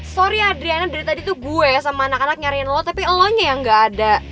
sorry adriana dari tadi tuh gue sama anak anak nyariin lo tapi elonya yang gak ada